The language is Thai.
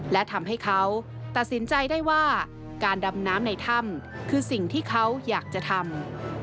และทำให้เขาตัดสินใจได้ว่าการดำน้ำในถ้ำคือสิ่งที่เขาอยากจะทำ